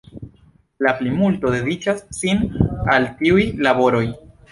La plimulto dediĉas sin al tiuj laboroj.